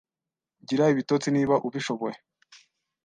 Gira ibitotsi niba ubishoboye.